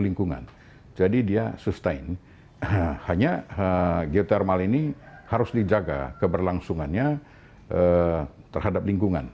lingkungan jadi dia sustain hanya geotermal ini harus dijaga keberlangsungannya terhadap lingkungan